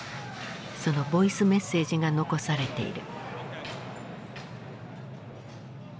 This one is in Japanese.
そのボイスメッセージが残されている。